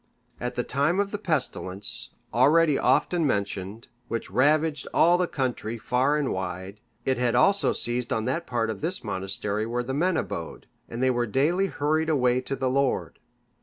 At the time of the pestilence, already often mentioned,(584) which ravaged all the country far and wide, it had also seized on that part of this monastery where the men abode, and they were daily hurried away to the Lord.